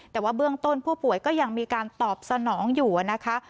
แต่ว่าเบื้องต้นผู้ป่วยก็ยังมีการตอบสนองอยู่นะคะ